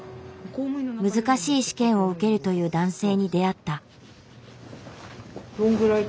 難しい試験を受けるという男性に出会った。